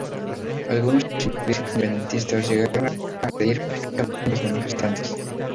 Algunos individuos independentistas llegaron a agredir físicamente a los manifestantes.